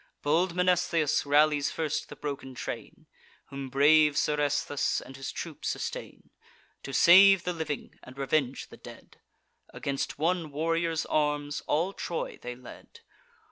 Bold Mnestheus rallies first the broken train, Whom brave Seresthus and his troop sustain. To save the living, and revenge the dead, Against one warrior's arms all Troy they led.